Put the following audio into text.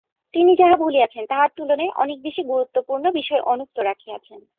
তিনি যাহা বলিয়াছেন, তাহার তুলনায় অনেক বেশী গুরুত্বপূর্ণ বিষয় অনুক্ত রাখিয়াছেন।